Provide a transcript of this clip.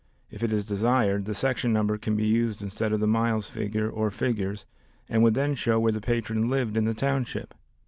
If it is desired, the section number can be used instead of the miles figure or figures, and would then show where the patron lived in the township.